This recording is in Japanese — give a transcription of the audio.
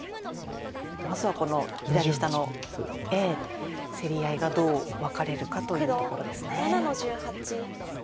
まずはこの左下の競り合いがどうワカれるかというところですね。